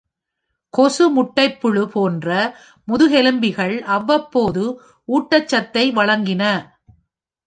கொசு முட்டைப்புழு போன்ற முதுகெலும்பிகள் அவ்வப்போது ஊட்டச்சத்தை வழங்கின.